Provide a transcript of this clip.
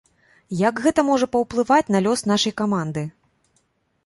Як гэта можа паўплываць на лёс нашай каманды?